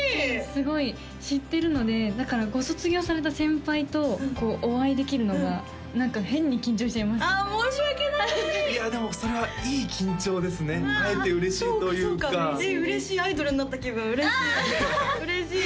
すごい知ってるのでだからご卒業された先輩とお会いできるのが何か変に緊張しちゃいますああ申し訳ないでもそれはいい緊張ですね会えて嬉しいというかそうかそうかえっ嬉しいアイドルになった気分嬉しい嬉しい